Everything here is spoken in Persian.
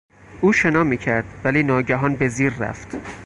او شنا میکرد ولی ناگهان به زیر رفت.